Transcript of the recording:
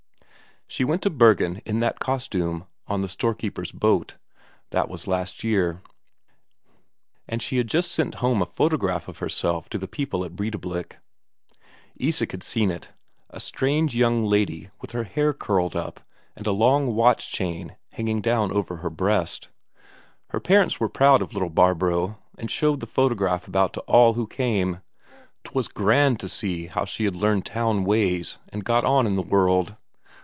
She went to Bergen in that costume, on the storekeeper's boat that was last year. And she had just sent home a photograph of herself to her people at Breidablik. Isak had seen it; a strange young lady with her hair curled up and a long watch chain hanging down over her breast. Her parents were proud of little Barbro, and showed the photograph about to all who came; 'twas grand to see how she had learned town ways and got on in the world.